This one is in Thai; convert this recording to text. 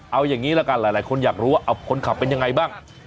เอาอย่างนี้ละกันหลายคนอยากรู้ว่าคนขับเป็นยังไงบ้าง